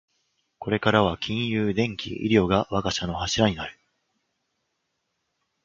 これからは金融、電機、医療が我が社の柱になる